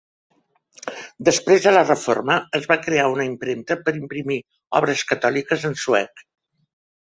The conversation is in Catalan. Després de la Reforma es va crear una impremta per imprimir obres catòliques en suec.